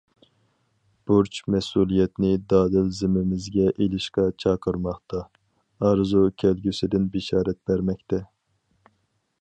بۇرچ مەسئۇلىيەتنى دادىل زىممىمىزگە ئېلىشقا چاقىرماقتا، ئارزۇ كەلگۈسىدىن بېشارەت بەرمەكتە.